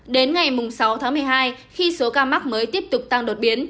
đến ngày sáu tháng một mươi hai khi số ca mắc mới tiếp tục tăng đột biến